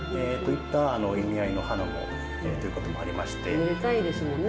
おめでたいですもんね。